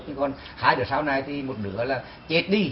nhưng còn hai đứa sau này thì một đứa là chết đi